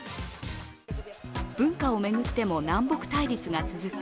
文化を巡っても南北対立が続く